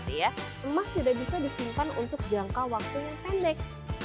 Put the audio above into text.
emas tidak bisa disimpan untuk jangka waktu yang pendek